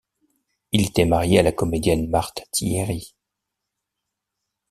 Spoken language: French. Il était marié à la comédienne Marthe Thiéry.